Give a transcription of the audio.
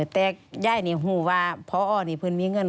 แต่ย่ายนี่หูว่าพออ้อนี่คุณมีเงิน